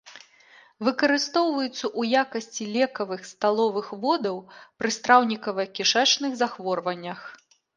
Выкарыстоўваюцца ў якасці лекавых сталовых водаў пры страўнікава-кішачных захворваннях.